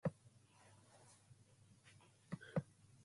Diagnosis is by specialist clinical evaluation.